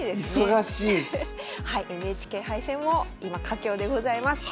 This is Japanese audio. はいＮＨＫ杯戦も今佳境でございます。